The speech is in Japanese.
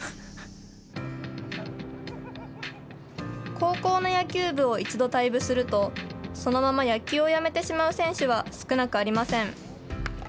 高校の野球部を一度退部すると、そのまま野球を辞めてしまう選手は少なくありません。